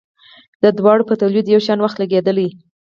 د دواړو په تولید یو شان وخت لګیدلی.